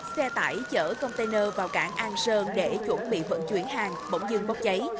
xe tải chở container vào cảng an sơn để chuẩn bị vận chuyển hàng bỗng dưng bốc cháy